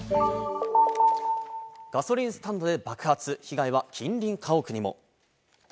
ガソリンスタンドで爆発、被害は近隣家屋にも。